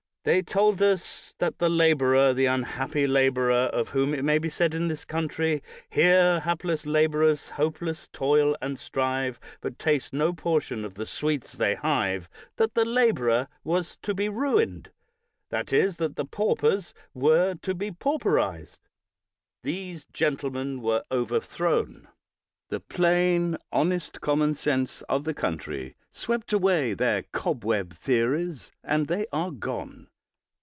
They told us that the laborer — the unhappy laborer — of whom it may be said in this country: "Here landless laborers hopeless toil and strive. But taste no portion of the sweets they hive." that the laborer was to be ruined; that is, that the paupers were to be pauperized. These 236 BRIGHT gentlemen were overthrown. The plain, honest, common sense of the country swept away their cobweb theories, and they are gone.